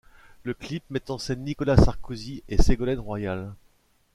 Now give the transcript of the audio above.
Le clip met en scène Nicolas Sarkozy et Ségolène Royal.